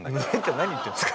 何言ってんですか。